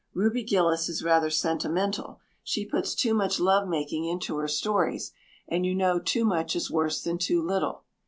Ruby Gillis is rather sentimental. She puts too much lovemaking into her stories and you know too much is worse than too little.